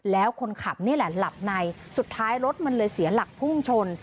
แล้วคนขับนี่แหละหลับในสุดท้ายรถมันเลยเสียหลักพุ่งชน